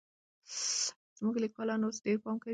زموږ ليکوالان اوس ډېر پام کوي.